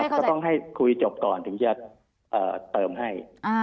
ก็ต้องให้คุยจบก่อนถึงจะเติมให้